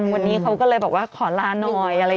ทำไมไม่มาเกิดอะไรขึ้นหรือเปล่า